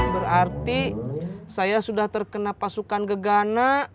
berarti saya sudah terkena pasukan gegana